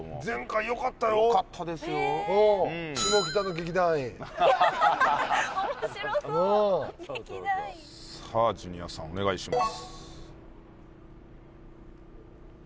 劇団員さあジュニアさんお願いします